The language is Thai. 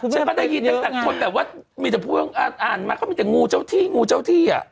ฉันก็ได้ยินตั้งแต่คนแบบว่ามีแต่พวกอ่านมาเขามีแต่งูเจ้าที่งูเจ้าที่อ่ะ